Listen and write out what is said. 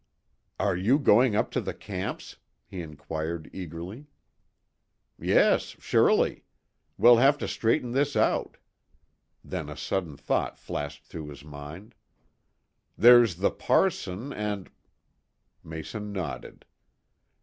"Are you going up to the camps?" he inquired eagerly. "Yes, surely. We'll have to straighten this out." Then a sudden thought flashed through his mind. "There's the parson and !" Mason nodded.